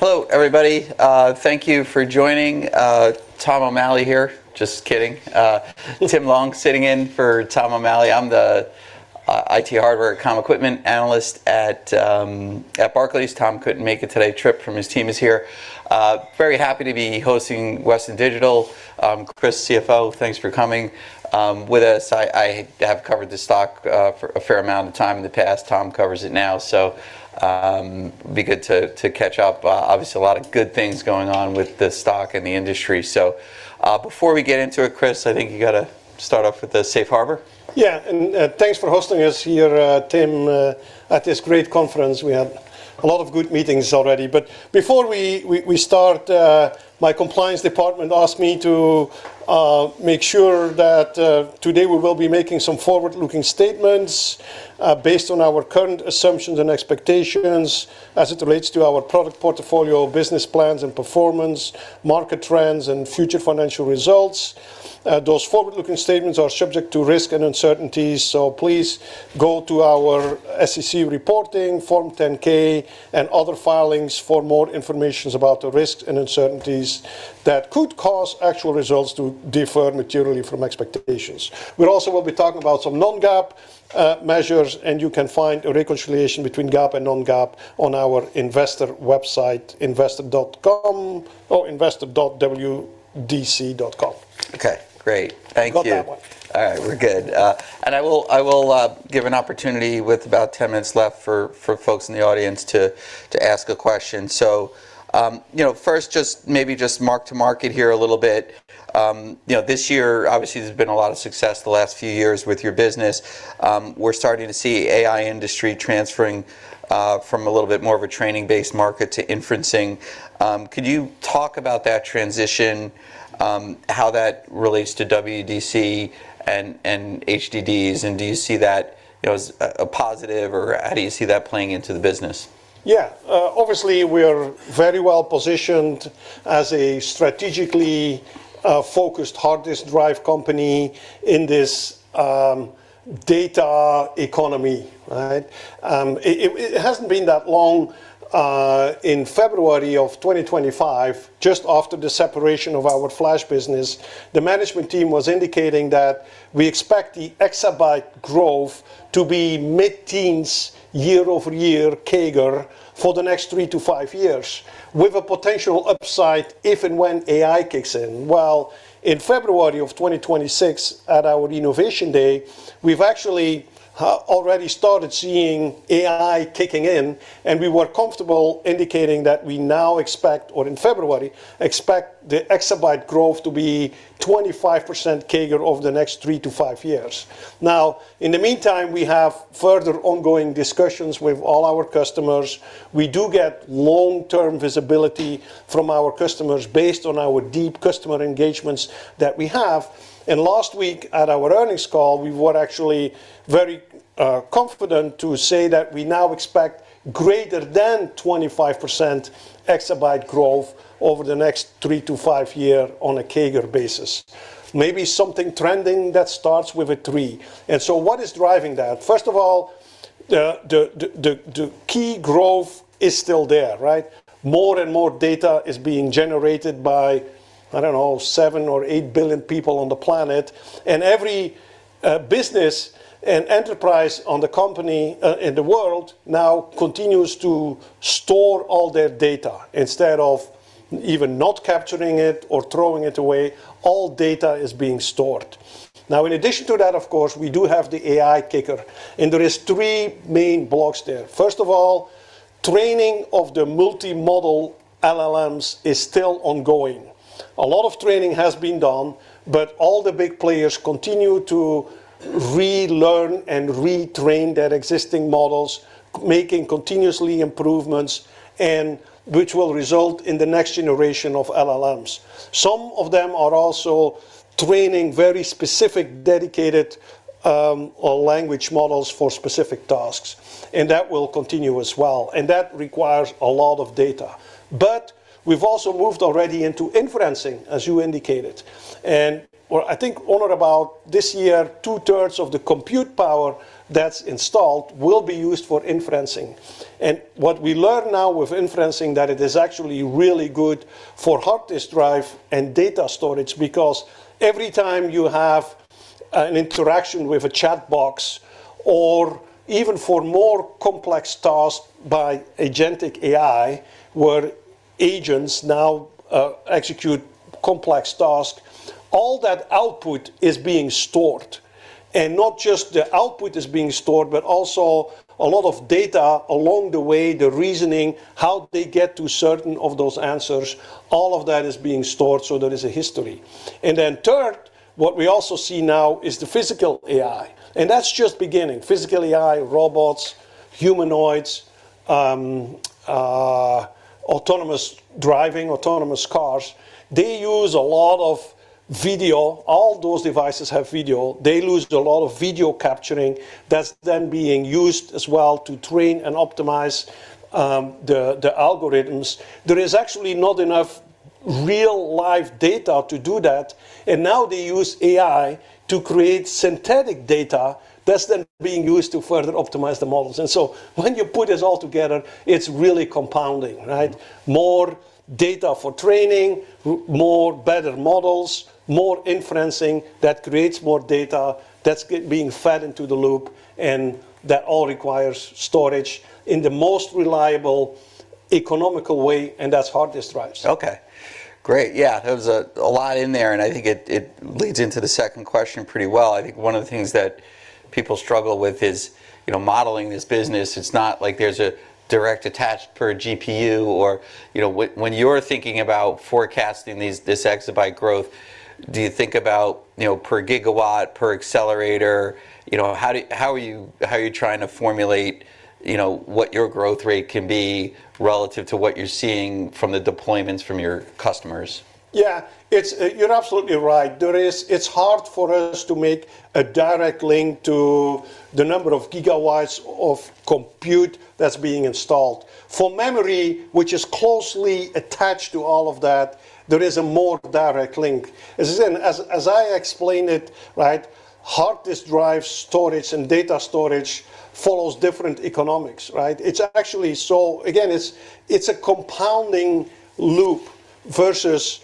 Hello, everybody. Thank you for joining. Tom O'Malley here. Just kidding. Tim Long sitting in for Tom O'Malley. I'm the IT hardware com equipment analyst at Barclays. Tom couldn't make it today trip from his team is here. Very happy to be hosting Western Digital. Kris Sennesael, CFO, thanks for coming with us. I have covered the stock for a fair amount of time in the past. Tom covers it now. Be good to catch up. Obviously, a lot of good things going on with the stock and the industry. Before we get into it, Kris Sennesael, I think you got to start off with the safe harbor. Thanks for hosting us here, Tim Long, at this great conference. We had a lot of good meetings already. Before we start, my compliance department asked me to make sure that today we will be making some forward-looking statements based on our current assumptions and expectations as it relates to our product portfolio, business plans and performance, market trends, and future financial results. Those forward-looking statements are subject to risk and uncertainties. Please go to our SEC reporting Form 10-K and other filings for more information about the risks and uncertainties that could cause actual results to differ materially from expectations. We also will be talking about some non-GAAP measures, and you can find a reconciliation between GAAP and non-GAAP on our investor website, investor.com or investor.wdc.com. Okay, great. Thank you. Got that one. All right, we're good. I will give an opportunity with about 10 minutes left for folks in the audience to ask a question. You know, first, just maybe just mark to market here a little bit. You know, this year, obviously, there's been a lot of success the last few years with your business. We're starting to see AI industry transferring from a little bit more of a training-based market to inferencing. Could you talk about that transition, how that relates to WDC and HDDs? Do you see that, you know, as a positive, or how do you see that playing into the business? Obviously, we are very well-positioned as a strategically focused hard disk drive company in this data economy, right? It hasn't been that long. In February of 2025, just after the separation of our Flash business, the management team was indicating that we expect the exabyte growth to be mid-teens year-over-year CAGR for the next three to five years, with a potential upside if and when AI kicks in. In February of 2026, at our Innovation Day, we've actually already started seeing AI kicking in, and we were comfortable indicating that we now expect, or in February, expect the exabyte growth to be 25% CAGR over the next three to five years. In the meantime, we have further ongoing discussions with all our customers. We do get long-term visibility from our customers based on our deep customer engagements that we have. Last week, at our earnings call, we were actually very confident to say that we now expect greater than 25% exabyte growth over the next three to five year on a CAGR basis. Maybe something trending that starts with a three. What is driving that? First of all, the key growth is still there, right? More and more data is being generated by, I don't know, seven or eight billion people on the planet. Every business and enterprise on the company in the world now continues to store all their data. Instead of even not capturing it or throwing it away, all data is being stored. Now, in addition to that, of course, we do have the AI kicker. There is three main blocks there. First of all, training of the multimodal LLMs is still ongoing. A lot of training has been done. All the big players continue to relearn and retrain their existing models, making continuously improvements, and which will result in the next generation of LLMs. Some of them are also training very specific dedicated language models for specific tasks. That will continue as well. That requires a lot of data. We've also moved already into inferencing, as you indicated. Well, I think all or about this year, 2/3 of the compute power that's installed will be used for inferencing. What we learn now with inferencing, that it is actually really good for hard disk drive and data storage, because every time you have an interaction with a chat box or even for more complex tasks by agentic AI, where agents now execute complex tasks, all that output is being stored. Not just the output is being stored, but also a lot of data along the way, the reasoning, how they get to certain of those answers, all of that is being stored, so there is a history. Then third, what we also see now is the physical AI, and that's just beginning. Physical AI, robots, humanoids, autonomous driving, autonomous cars, they use a lot of video. All those devices have video. They use a lot of video capturing that's then being used as well to train and optimize the algorithms. There is actually not enough real-life data to do that, and now they use AI to create synthetic data that's then being used to further optimize the models. When you put this all together, it's really compounding, right? More data for training, more better models, more inferencing. That creates more data that's being fed into the loop, and that all requires storage in the most reliable, economical way, and that's hard disk drives. Okay. Great. Yeah. There was a lot in there, and I think it leads into the second question pretty well. I think one of the things that people struggle with is, you know, modeling this business. It's not like there's a direct attach per GPU or, you know, when you're thinking about forecasting these, this exabyte growth, do you think about, you know, per gigawatt, per accelerator? You know, how are you trying to formulate, you know, what your growth rate can be relative to what you're seeing from the deployments from your customers? It's, you're absolutely right. It's hard for us to make a direct link to the number of gigawatts of compute that's being installed. For memory, which is closely attached to all of that, there is a more direct link. As in, as I explained it, right, hard disk drive storage and data storage follows different economics, right? Actually again, it's a compounding loop versus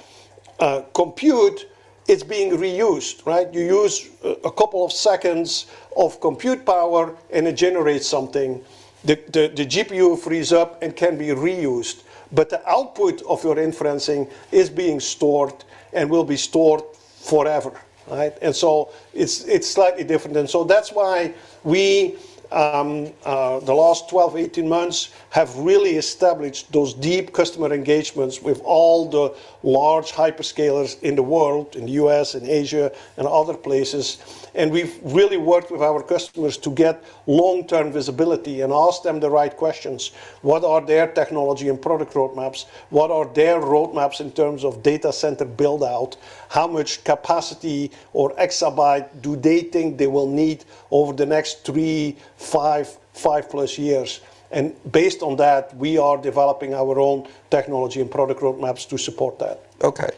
compute, it's being reused, right? You use a couple of seconds of compute power, it generates something. The GPU frees up and can be reused. The output of your inferencing is being stored and will be stored forever, right? It's, it's slightly different. That's why we, the last 12, 18 months, have really established those deep customer engagements with all the large hyperscalers in the world, in the U.S., in Asia, and other places. We've really worked with our customers to get long-term visibility and ask them the right questions. What are their technology and product roadmaps? What are their roadmaps in terms of data center build-out? How much capacity or exabyte do they think they will need over the next three, five-plus years? Based on that, we are developing our own technology and product roadmaps to support that. Okay.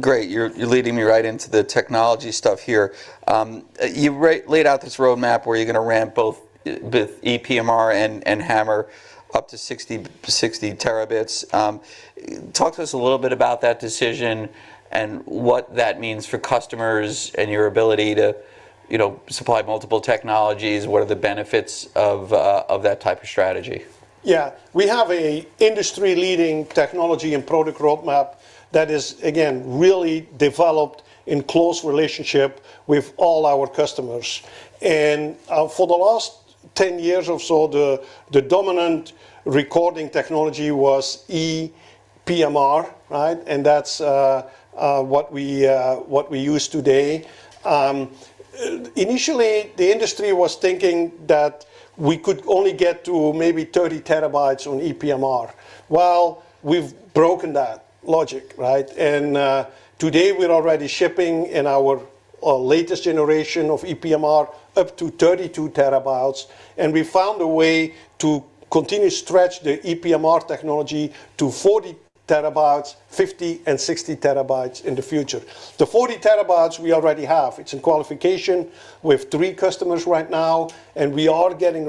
Great. You're leading me right into the technology stuff here. You laid out this roadmap where you're gonna ramp both ePMR and HAMR up to 60 TB. Talk to us a little bit about that decision and what that means for customers and your ability to, you know, supply multiple technologies. What are the benefits of that type of strategy? Yeah. We have an industry-leading technology and product roadmap that is, again, really developed in close relationship with all our customers. For the last 10 years or so, the dominant recording technology was ePMR, right? That's what we use today. Initially, the industry was thinking that we could only get to maybe 30 TB on ePMR. Well, we've broken that logic, right? Today, we're already shipping in our latest generation of ePMR up to 32 TB, and we found a way to continue to stretch the ePMR technology to 40 TB, 50 TB and 60 TB in the future. The 40 TB we already have. It's in qualification with three customers right now. We are getting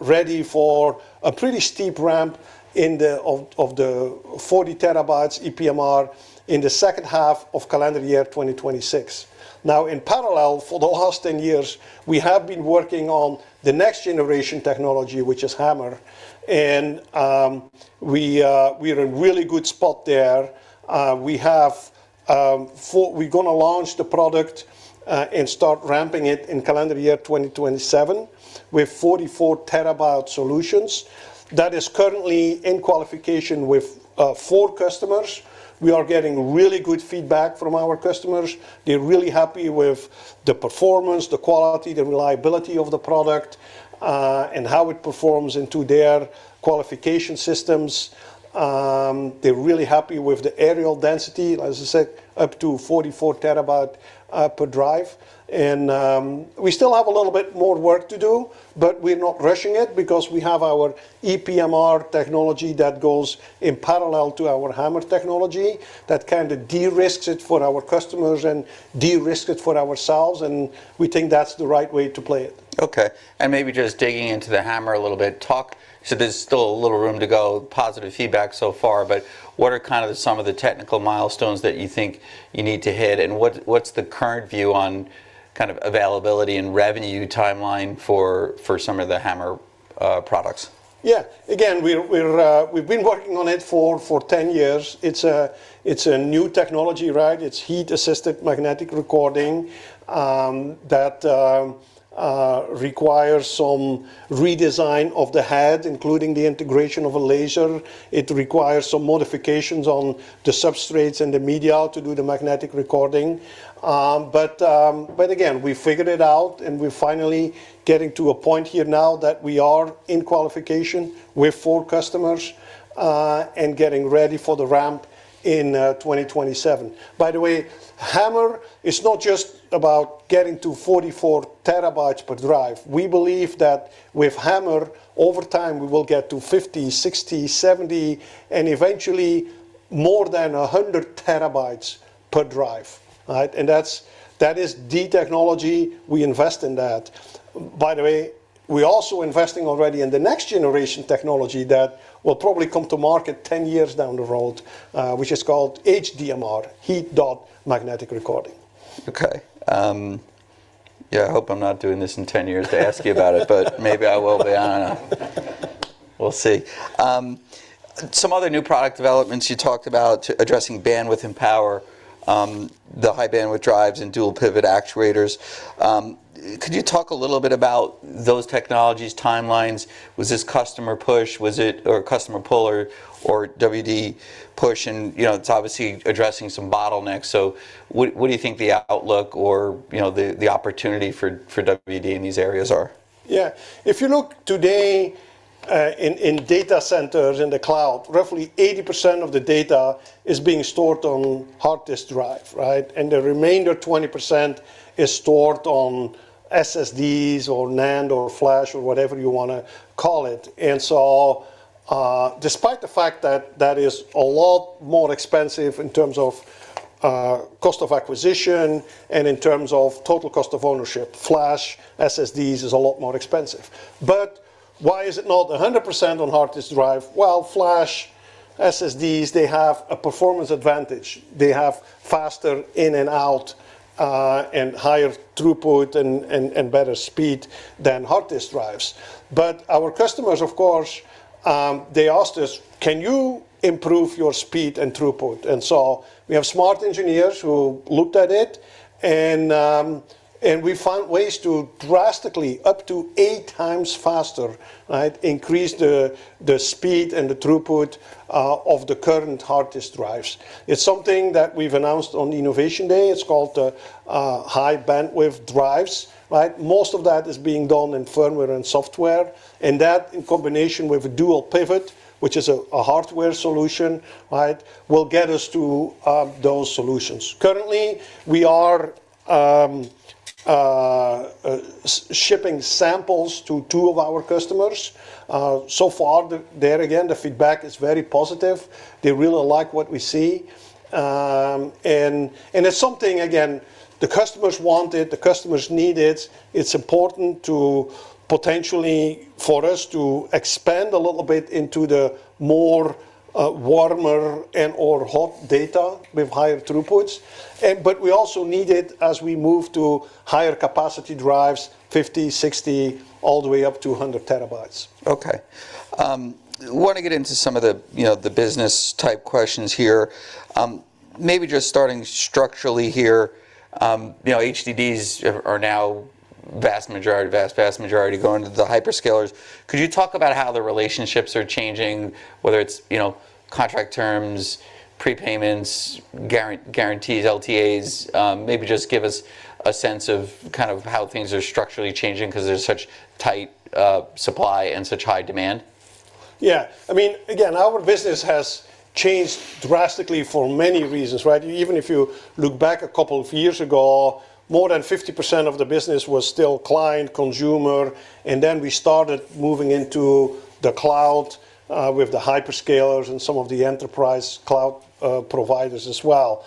ready for a pretty steep ramp of the 40 TB ePMR in the second half of calendar year 2026. In parallel, for the last 10 years, we have been working on the next-generation technology, which is HAMR. We are in a really good spot there. We are going to launch the product, start ramping it in calendar year 2027 with 44 TB solutions. That is currently in qualification with four customers. We are getting really good feedback from our customers. They are really happy with the performance, the quality, the reliability of the product, how it performs into their qualification systems. They are really happy with the areal density, as I said, up to 44 TB per drive. We still have a little bit more work to do, but we're not rushing it because we have our ePMR technology that goes in parallel to our HAMR technology that kind of de-risks it for our customers and de-risk it for ourselves, and we think that's the right way to play it. Okay. Maybe just digging into the HAMR a little bit. There's still a little room to go. Positive feedback so far. What are, kind of, some of the technical milestones that you think you need to hit, and what's the current view on, kind of, availability and revenue timeline for some of the HAMR products? Yeah. Again, we're working on it for 10 years. It's a new technology, right? It's heat-assisted magnetic recording that requires some redesign of the head, including the integration of a laser. It requires some modifications on the substrates and the media to do the magnetic recording. Again, we figured it out, and we're finally getting to a point here now that we are in qualification with four customers and getting ready for the ramp in 2027. By the way, HAMR is not just about getting to 44 TB per drive. We believe that with HAMR, over time, we will get to 50 TB, 60 TB, 70 TB, and eventually more than 100 TB per drive, right? That is the technology. We invest in that. By the way, we're also investing already in the next generation technology that will probably come to market 10 years down the road, which is called HDMR, Heat Dot Magnetic Recording. Okay. Yeah, I hope I'm not doing this in 10 years to ask you about it. Maybe I will be, I don't know. We'll see. Some other new product developments, you talked about addressing bandwidth and power, the High-Bandwidth Drives and dual pivot actuators. Could you talk a little bit about those technologies' timelines? Was this customer push? Was it, or customer pull or WD push and, you know, it's obviously addressing some bottlenecks, so what do you think the outlook or, you know, the opportunity for WD in these areas are? Yeah. If you look today, in data centers in the cloud, roughly 80% of the data is being stored on hard disk drive, right? The remainder 20% is stored on SSDs or NAND or Flash or whatever you want to call it. Despite the fact that that is a lot more expensive in terms of cost of acquisition and in terms of total cost of ownership, Flash, SSDs is a lot more expensive. Why is it not 100% on hard disk drive? Well, Flash, SSDs, they have a performance advantage. They have faster in and out, and higher throughput and better speed than hard disk drives. Our customers, of course, they asked us, "Can you improve your speed and throughput?" We have smart engineers who looked at it and we found ways to drastically, up to 8x faster, right, increase the speed and the throughput of the current hard disk drives. It's something that we've announced on Innovation Day. It's called High-Bandwidth Drives, right? Most of that is being done in firmware and software, and that in combination with dual pivot, which is a hardware solution, right, will get us to those solutions. Currently, we are shipping samples to two of our customers. So far, the feedback is very positive. They really like what we see. It's something, again, the customers want it, the customers need it. It's important to potentially for us to expand a little bit into the more warmer and/or hot data with higher throughputs. We also need it as we move to higher capacity drives, 50 TB, 60 TB, all the way up to 100 TB. Okay. Want to get into some of the, you know, the business type questions here. Maybe just starting structurally here, you know, HDDs are now vast majority going to the hyperscalers. Could you talk about how the relationships are changing, whether it's, you know, contract terms, prepayments, guarantees, LTAs? Maybe just give us a sense of kind of how things are structurally changing because there's such tight supply and such high demand. I mean, again, our business has changed drastically for many reasons, right? Even if you look back a couple of years ago, more than 50% of the business was still client, consumer, and then we started moving into the cloud with the hyperscalers and some of the enterprise cloud providers as well.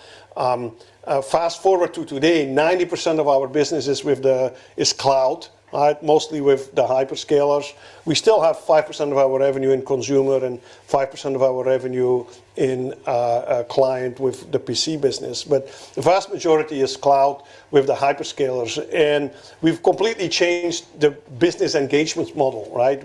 Fast-forward to today, 90% of our business is cloud, right? Mostly with the hyperscalers. We still have 5% of our revenue in consumer and 5% of our revenue in a client with the PC business. The vast majority is cloud with the hyperscalers, and we've completely changed the business engagements model, right?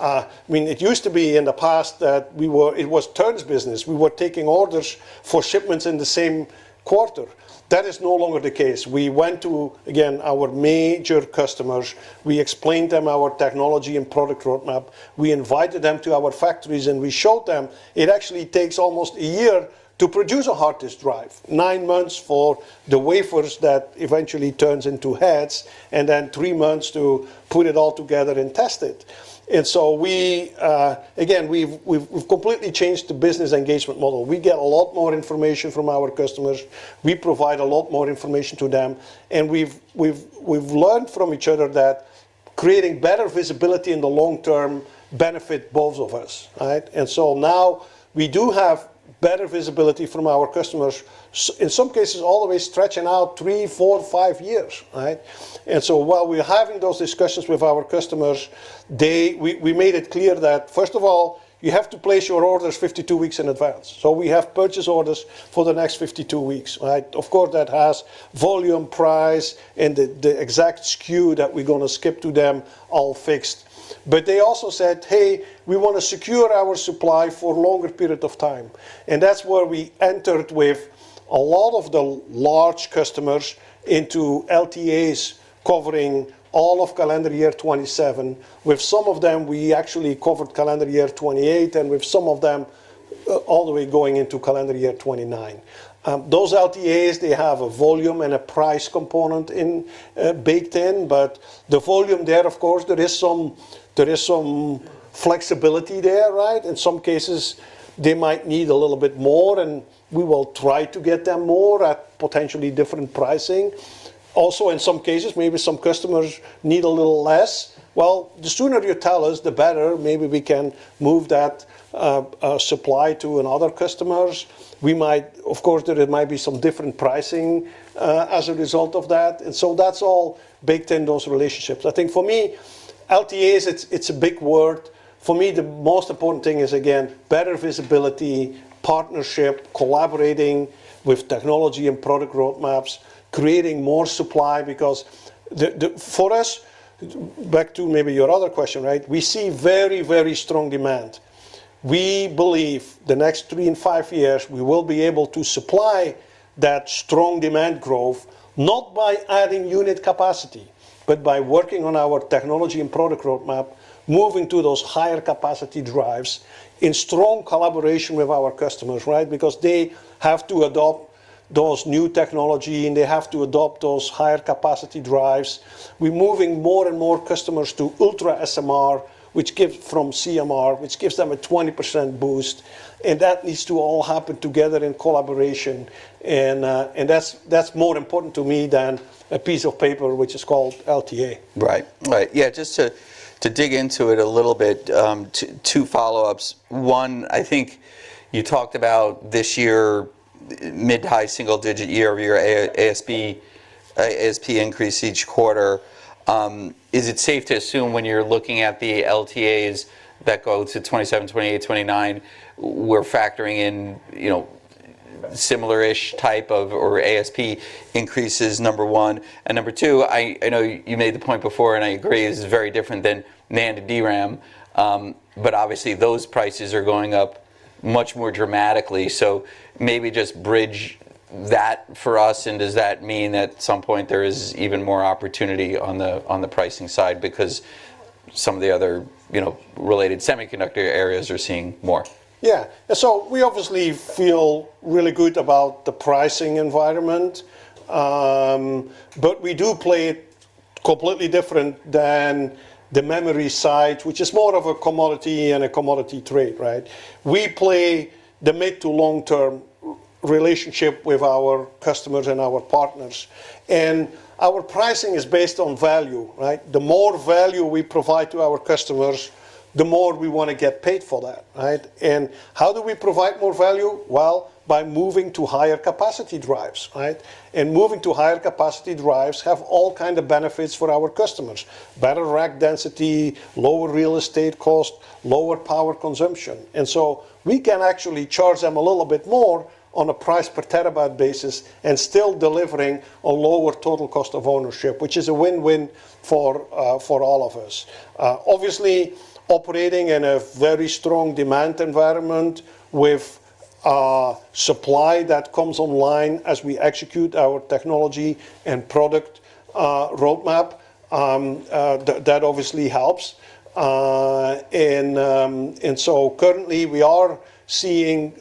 I mean, it used to be in the past that it was turns business. We were taking orders for shipments in the same quarter. That is no longer the case. We went to, again, our major customers. We explained them our technology and product roadmap. We invited them to our factories, and we showed them it actually takes almost a year to produce a hard disk drive. Nine months for the wafers that eventually turns into heads, and then three months to put it all together and test it. We, again, we've completely changed the business engagement model. We get a lot more information from our customers. We provide a lot more information to them, and we've learned from each other that creating better visibility in the long-term benefits both of us, right? Now we do have better visibility from our customers in some cases, all the way stretching out three, four, five years, right? While we're having those discussions with our customers, we made it clear that, first of all, you have to place your orders 52 weeks in advance. We have purchase orders for the next 52 weeks, right? Of course, that has volume, price, and the exact SKU that we're going to ship to them all fixed. They also said, "Hey, we want to secure our supply for longer period of time." That's where we entered with a lot of the large customers into LTAs covering all of calendar year 2027. With some of them, we actually covered calendar year 2028, and with some of them, all the way going into calendar year 2029. Those LTAs, they have a volume and a price component in baked in. The volume there, of course, there is some flexibility there, right? In some cases, they might need a little bit more, and we will try to get them more at potentially different pricing. In some cases, maybe some customers need a little less. The sooner you tell us, the better. Maybe we can move that supply to another customers. We might, of course, there might be some different pricing as a result of that. That's all baked in those relationships. I think for me, LTAs, it's a big word. For me, the most important thing is, again, better visibility, partnership, collaborating with technology and product roadmaps, creating more supply. Back to maybe your other question, right? We see very strong demand. We believe the next three and five years, we will be able to supply that strong demand growth, not by adding unit capacity, but by working on our technology and product roadmap, moving to those higher capacity drives in strong collaboration with our customers, right? Because they have to adopt those new technology, and they have to adopt those higher capacity drives. We're moving more and more customers to UltraSMR from CMR, which gives them a 20% boost, and that needs to all happen together in collaboration and that's more important to me than a piece of paper which is called LTA. Right. Right. Yeah, just to dig into it a little bit, two follow-ups. One, I think you talked about this year mid-high single-digit year-over-year ASP increase each quarter. Is it safe to assume when you're looking at the LTAs that go to 2027, 2028, 2029, we're factoring in, you know, similar-ish type of, or ASP increases, number 1. Number 2, I know you made the point before, and I agree this is very different than NAND DRAM. Obviously, those prices are going up much more dramatically. Maybe just bridge that for us, and does that mean at some point there is even more opportunity on the pricing side? Because some of the other, you know, related semiconductor areas are seeing more. We obviously feel really good about the pricing environment. We do play it completely different than the memory side, which is more of a commodity and a commodity trade, right? We play the mid- to long-term relationship with our customers and our partners, and our pricing is based on value, right? The more value we provide to our customers, the more we want to get paid for that, right? How do we provide more value? Well, by moving to higher capacity drives, right? Moving to higher capacity drives have all kind of benefits for our customers. Better rack density, lower real estate cost, lower power consumption. We can actually charge them a little bit more on a price per terabyte basis and still delivering a lower total cost of ownership, which is a win-win for all of us. Obviously, operating in a very strong demand environment with supply that comes online as we execute our technology and product roadmap, that obviously helps. Currently, we are seeing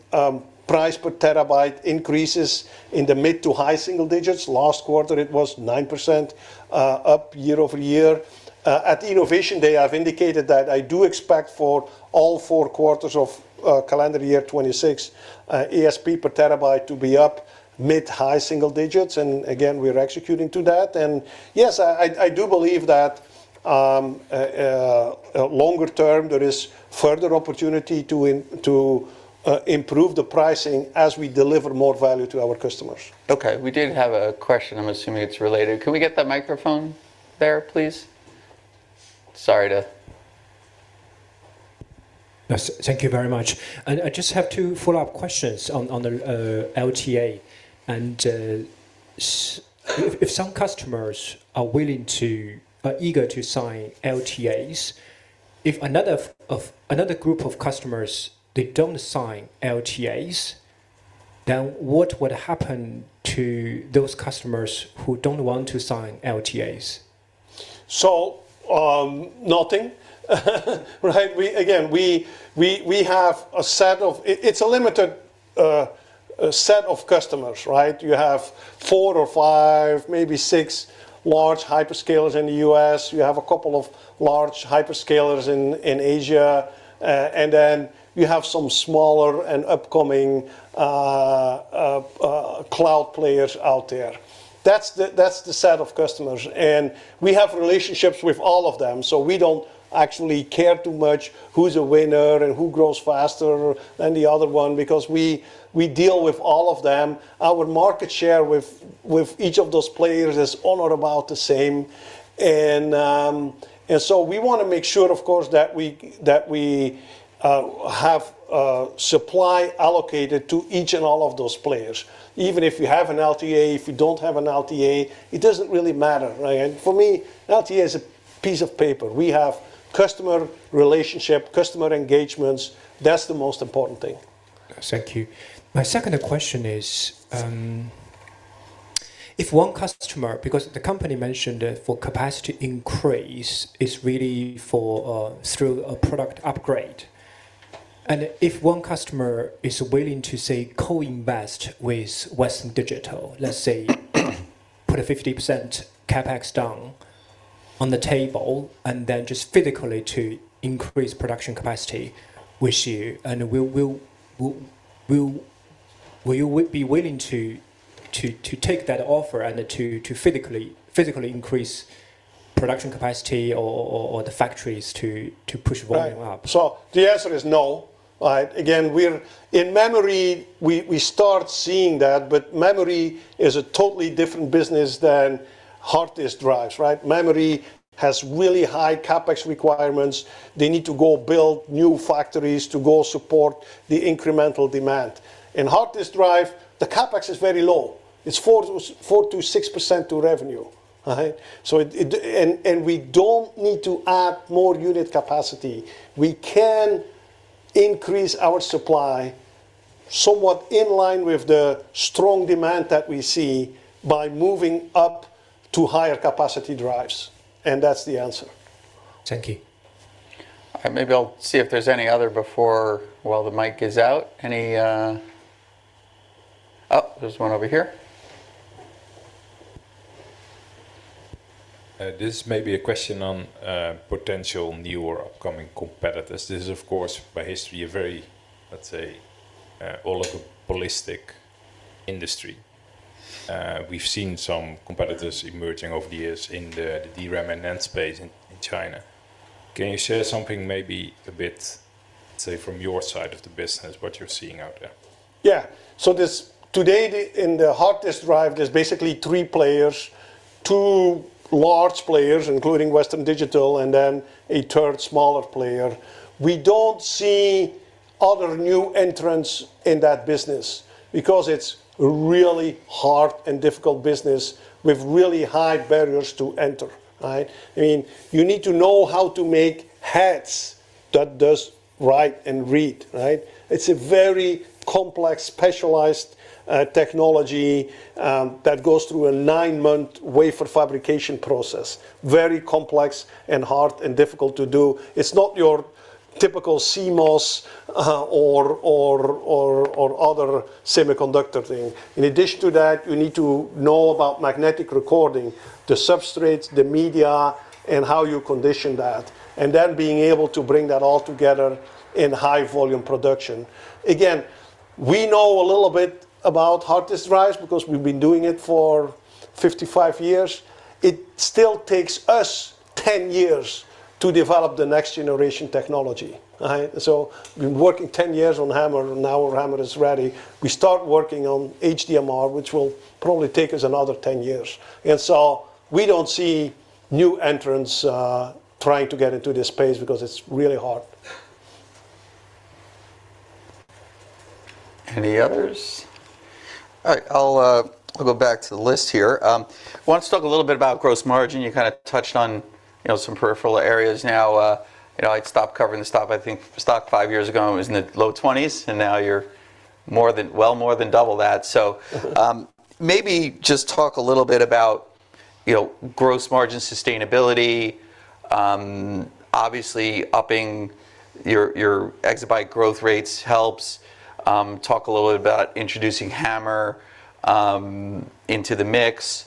price per terabyte increases in the mid to high single digits. Last quarter, it was 9% up year-over-year. At the Innovation Day, I do expect for all four quarters of calendar year 2026, ASP per terabyte to be up mid high single digits. Again, we're executing to that. Yes, I do believe that longer term, there is further opportunity to improve the pricing as we deliver more value to our customers. Okay, we did have a question. I'm assuming it's related. Can we get that microphone there, please? Yes, thank you very much. I just have two follow-up questions on the LTA. If some customers are eager to sign LTAs, if another group of customers, they don't sign LTAs, what would happen to those customers who don't want to sign LTAs? Nothing, right? Again, we have a set of customers. It's a limited set of customers, right? You have four or five, maybe six large hyperscalers in the U.S. You have a couple of large hyperscalers in Asia. You have some smaller and upcoming cloud players out there. That's the set of customers. We have relationships with all of them, so we don't actually care too much who's a winner and who grows faster than the other one, because we deal with all of them. Our market share with each of those players is all or about the same. We want to make sure, of course, that we have supply allocated to each and all of those players. Even if you have an LTA, if you don't have an LTA, it doesn't really matter, right? For me, LTA is a piece of paper. We have customer relationship, customer engagements. That's the most important thing. Thank you. My second question is, if one customer, because the company mentioned for capacity increase is really for, through a product upgrade, and if one customer is willing to, say, co-invest with Western Digital, let's say, put a 50% CapEx down on the table and then just physically to increase production capacity with you, and will you be willing to take that offer and to physically increase production capacity or the factories to push volume up? Right. The answer is no, right? Again, we're In memory, we start seeing that, but memory is a totally different business than hard disk drives, right? Memory has really high CapEx requirements. They need to go build new factories to go support the incremental demand. In hard disk drive, the CapEx is very low. It's 4%-6% to revenue, right? We don't need to add more unit capacity. We can increase our supply somewhat in line with the strong demand that we see by moving up to higher capacity drives, and that's the answer. Thank you. All right, maybe I'll see if there's any other before while the mic is out. Any? Oh, there's one over here. This may be a question on potential new or upcoming competitors. This is, of course, by history a very, let's say, oligopolistic industry. We've seen some competitors emerging over the years in the DRAM and NAND space in China. Can you share something maybe a bit, say, from your side of the business, what you're seeing out there? Today, in the hard disk drive, there's basically three players. Two large players, including Western Digital, and then a third smaller player. We don't see other new entrants in that business because it's really hard and difficult business with really high barriers to enter, right? I mean, you need to know how to make heads that does write and read, right? It's a very complex, specialized technology that goes through a nine-month wafer fabrication process. Very complex and hard and difficult to do. It's not your typical CMOS or other semiconductor thing. In addition to that, you need to know about magnetic recording, the substrates, the media, and how you condition that, and then being able to bring that all together in high volume production. Again, we know a little bit about hard disk drives because we've been doing it for 55 years. It still takes us 10 years to develop the next generation technology, right? We've been working 10 years on HAMR, and now HAMR is ready. We start working on HDMR, which will probably take us another 10 years. We don't see new entrants trying to get into this space because it's really hard. Any others? All right, I'll go back to the list here. Why don't you talk a little bit about gross margin? You kind of touched on, you know, some peripheral areas now. You know, I stopped covering the stock. I think the stock five years ago was in the low 20s, and now you're well more than double that. Maybe just talk a little bit about, you know, gross margin sustainability. Obviously upping your exabyte growth rates helps. Talk a little bit about introducing HAMR into the mix.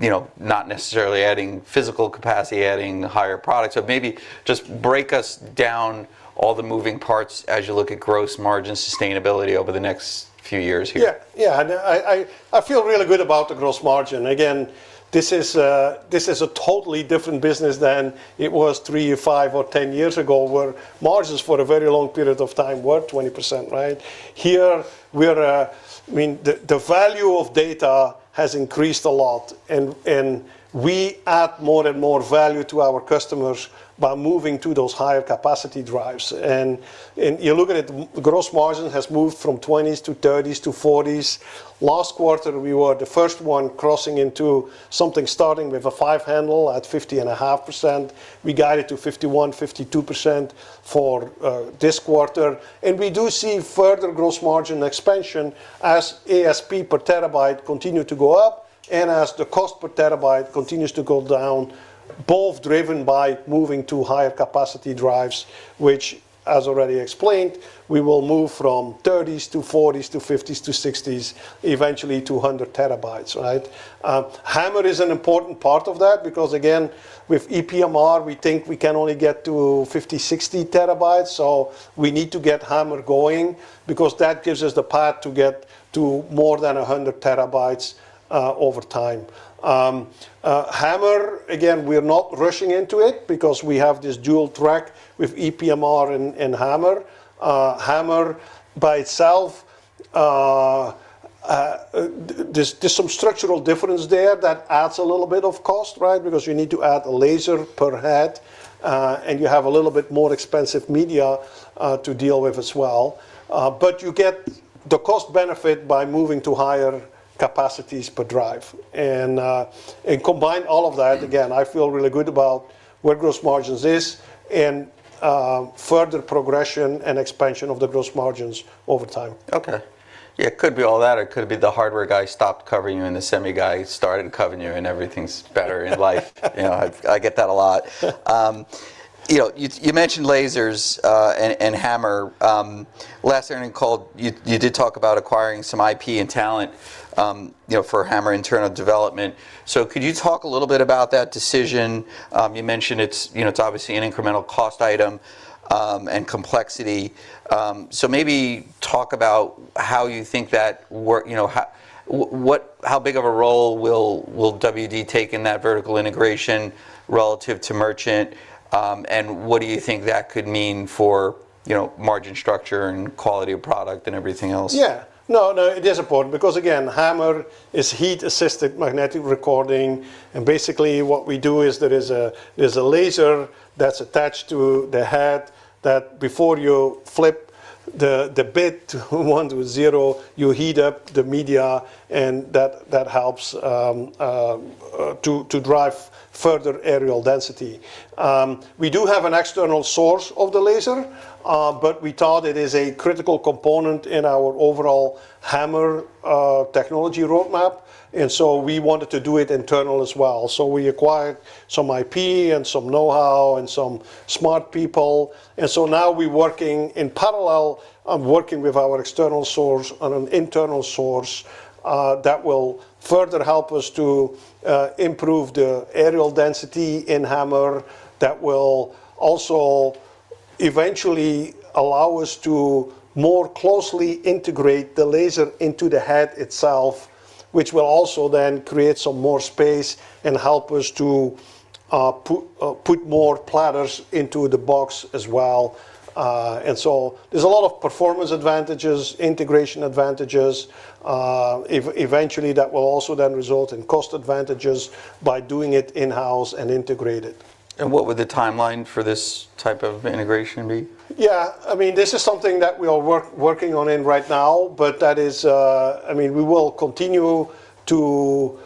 You know, not necessarily adding physical capacity, adding higher products. Maybe just break us down all the moving parts as you look at gross margin sustainability over the next few years here. Yeah, no, I feel really good about the gross margin. Again, this is a totally different business than it was three or five or 10 years ago, where margins for a very long period of time were 20%, right? Here, I mean, the value of data has increased a lot and we add more and more value to our customers by moving to those higher capacity drives. And you're looking at gross margin has moved from 20s to 30s to 40s. Last quarter, we were the first one crossing into something starting with a five handle at 50.5%. We guide it to 51%-52% for this quarter. We do see further gross margin expansion as ASP per terabyte continue to go up and as the cost per terabyte continues to go down, both driven by moving to higher capacity drives, which, as already explained, we will move from 30s to 40s to 50s to 60s, eventually to 100 TB, right? HAMR is an important part of that because, again, with ePMR, we think we can only get to 50 TB, 60 TB, so we need to get HAMR going because that gives us the path to get to more than 100 TB over time. HAMR, again, we're not rushing into it because we have this dual track with ePMR and HAMR. HAMR by itself, there's some structural difference there that adds a little bit of cost, right? You need to add a laser per head, and you have a little bit more expensive media to deal with as well. You get the cost benefit by moving to higher capacities per drive. Combine all of that, again, I feel really good about where gross margins are and further progression and expansion of the gross margins over time. Okay. Yeah, it could be all that, or it could be the hardware guy stopped covering you and the semi guy started covering you, and everything's better in life. You know, I get that a lot. You know, you mentioned lasers and HAMR. Last earning call, you did talk about acquiring some IP and talent, you know, for HAMR internal development. Could you talk a little bit about that decision? You mentioned it's, you know, it's obviously an incremental cost item and complexity. Maybe talk about how you think that work, you know, how big of a role will WD take in that vertical integration relative to merchant? What do you think that could mean for, you know, margin structure and quality of product and everything else? No, no, it is important because, again, HAMR is heat-assisted magnetic recording. Basically what we do is there's a laser that's attached to the head that before you flip the bit 1 to 0, you heat up the media and that helps to drive further areal density. We do have an external source of the laser, but we thought it is a critical component in our overall HAMR technology roadmap. We wanted to do it internal as well. We acquired some IP and some know-how and some smart people, now we working in parallel on working with our external source and an internal source that will further help us to improve the areal density in HAMR, that will also eventually allow us to more closely integrate the laser into the head itself, which will also then create some more space and help us to put more platters into the box as well. There's a lot of performance advantages, integration advantages, eventually that will also then result in cost advantages by doing it in-house and integrated. What would the timeline for this type of integration be? Yeah. I mean, this is something that we are working on in right now, but that is, I mean, we will continue to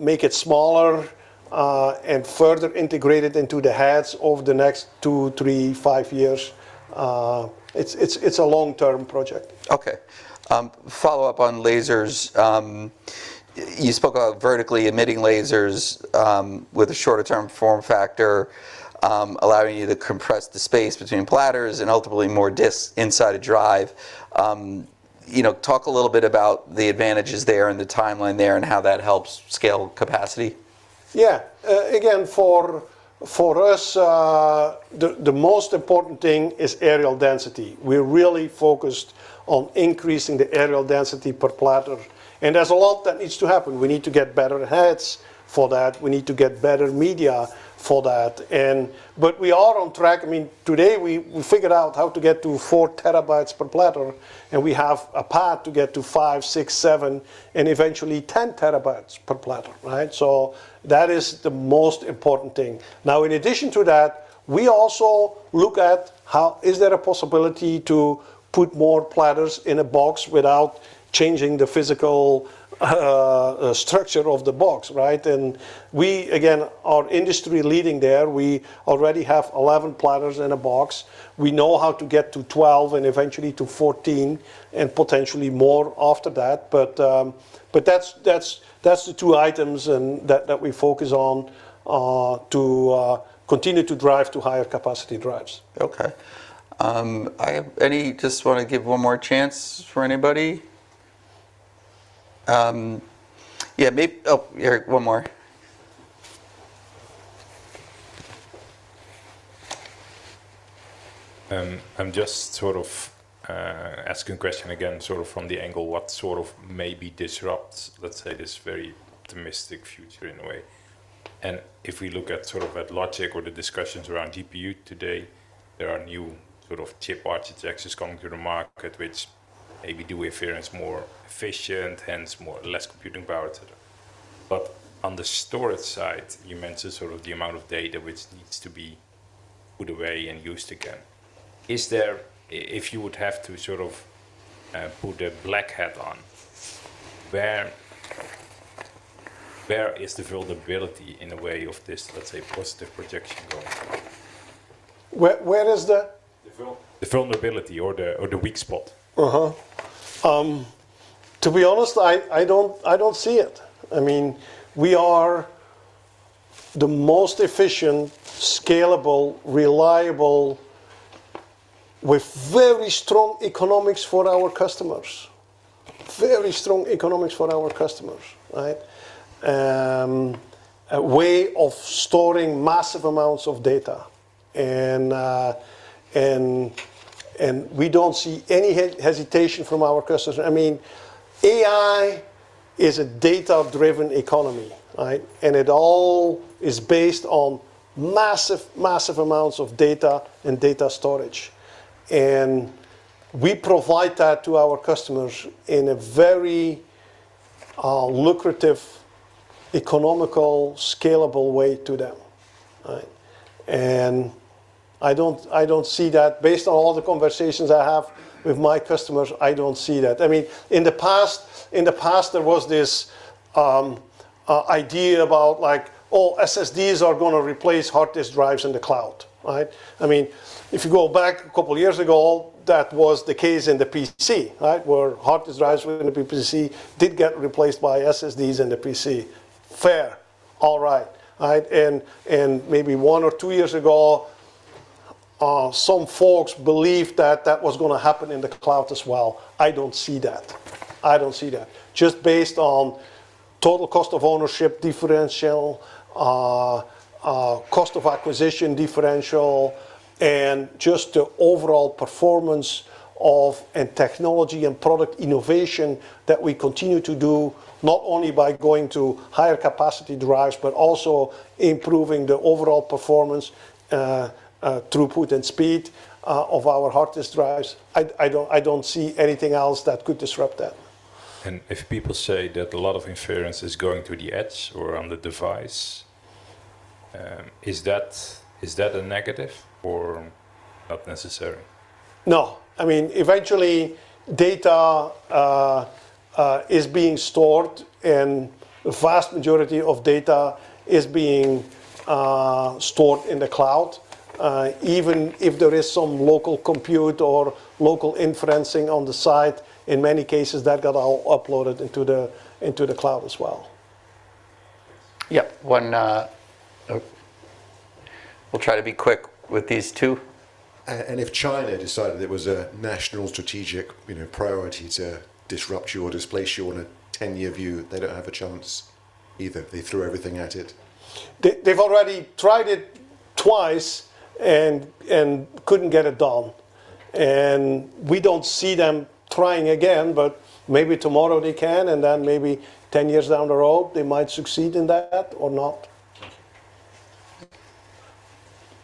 make it smaller and further integrate it into the heads over the next two, three, five years. It's a long-term project. Follow-up on lasers. You spoke about vertically emitting lasers, with a shorter term form factor, allowing you to compress the space between platters and ultimately more disks inside a drive. You know, talk a little bit about the advantages there and the timeline there and how that helps scale capacity. Again, for us, the most important thing is areal density. We're really focused on increasing the areal density per platter, and there's a lot that needs to happen. We need to get better heads for that. We need to get better media for that. But we are on track. I mean, today we figured out how to get to 4 TB per platter, and we have a path to get to 5 TB, 6 TB, 7 TB, and eventually 10 TB per platter, right? That is the most important thing. Now, in addition to that, we also look at how, is there a possibility to put more platters in a box without changing the physical structure of the box, right? We, again, are industry-leading there. We already have 11 platters in a box. We know how to get to 12 and eventually to 14, and potentially more after that. That's the two items that we focus on to continue to drive to higher capacity drives. Okay. I have any Just wanna give one more chance for anybody. Yeah, one more. I'm just sort of asking a question again, sort of from the angle what sort of maybe disrupts, let's say, this very optimistic future in a way. If we look at sort of at logic or the discussions around GPU today, there are new sort of chip architectures coming to the market, which maybe do inference more efficient, hence less computing power to the. On the storage side, you mentioned sort of the amount of data which needs to be put away and used again. If you would have to sort of put a black hat on, where is the vulnerability in the way of this, let's say, positive projection going? Where is the? The vulnerability or the weak spot. To be honest, I don't see it. I mean, we are the most efficient, scalable, reliable, with very strong economics for our customers. Very strong economics for our customers, right? A way of storing massive amounts of data. We don't see any hesitation from our customers. I mean, AI is a data-driven economy, right? It all is based on massive amounts of data and data storage. We provide that to our customers in a very lucrative, economical, scalable way to them, right? I don't see that. Based on all the conversations I have with my customers, I don't see that. I mean, in the past, there was this idea about like, "Oh, SSDs are gonna replace hard disk drives in the cloud," right? I mean, if you go back a couple years ago, that was the case in the PC, right? Where hard disk drives were in the PC, did get replaced by SSDs in the PC. Fair. All right. Right? Maybe one or two years ago, some folks believed that that was gonna happen in the cloud as well. I don't see that. I don't see that. Just based on total cost of ownership differential, cost of acquisition differential, and just the overall performance of, and technology and product innovation that we continue to do, not only by going to higher capacity drives, but also improving the overall performance, throughput and speed of our hard disk drives. I don't see anything else that could disrupt that. If people say that a lot of inference is going to the edge or on the device, is that a negative or not necessary? No. I mean, eventually data is being stored and the vast majority of data is being stored in the cloud. Even if there is some local compute or local inferencing on the site, in many cases that got all uploaded into the cloud as well. Yeah. We'll try to be quick with these two. If China decided it was a national strategic, you know, priority to disrupt you or displace you on a 10-year view, they don't have a chance either if they threw everything at it? They've already tried it twice and couldn't get it done. We don't see them trying again, but maybe tomorrow they can, and then maybe 10 years down the road they might succeed in that or not.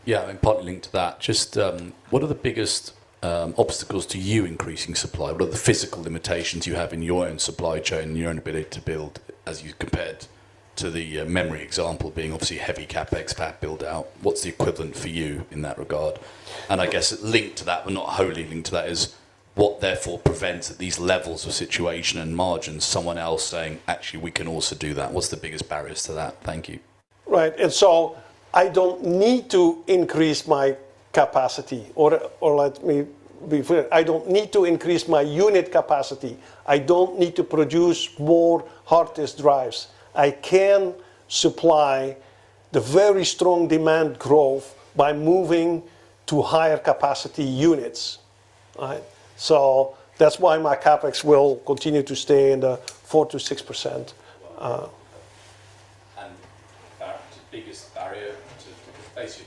Yeah, I mean, partly linked to that. Just, what are the biggest obstacles to you increasing supply? What are the physical limitations you have in your own supply chain, your own ability to build as you compared to the memory example being obviously heavy CapEx, fab build out? What's the equivalent for you in that regard? I guess linked to that, but not wholly linked to that, is what therefore prevents these levels of situation and margins, someone else saying, "Actually, we can also do that." What's the biggest barriers to that? Thank you. Right. I don't need to increase my capacity or let me be clear, I don't need to increase my unit capacity. I don't need to produce more hard disk drives. I can supply the very strong demand growth by moving to higher capacity units. Right. That's why my CapEx will continue to stay in the 4%-6%. The biggest barrier to facing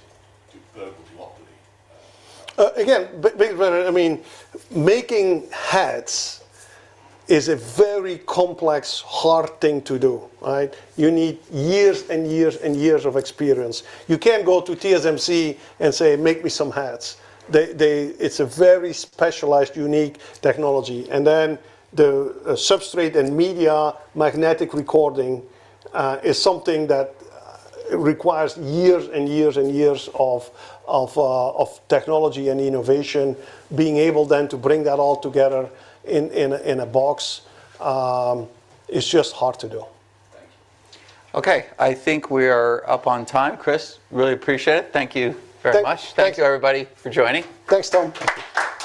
vertical monopoly. Again, but I mean, making heads is a very complex, hard thing to do, right? You need years and years and years of experience. You can't go to TSMC and say, "Make me some heads." It's a very specialized, unique technology. Then the substrate and media magnetic recording, is something that requires years and years and years of technology and innovation. Being able then to bring that all together in a box, is just hard to do. Thank you. Okay. I think we are up on time. Kris, really appreciate it. Thank you very much. Thank you. Thanks to everybody for joining. Thanks, Tim.